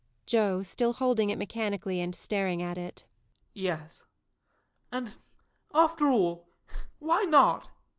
JOE. [Still holding it mechanically and staring at it.] Yes. And, after all, why not?